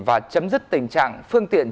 và chấm dứt tình trạng phương tiện